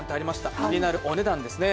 気になるお値段ですね。